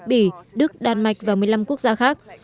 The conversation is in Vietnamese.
bỉ đức đan mạch và một mươi năm quốc gia khác